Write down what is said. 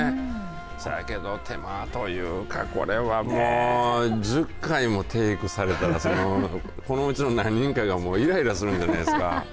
せやけど、てまというかこれは、もう１０回もテイクされたらこのうちの何人かがいらいらするんじゃないですか。